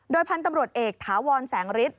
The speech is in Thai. โดยพันธุ์ตำรวจเอกถวัลแสงฤทธิ์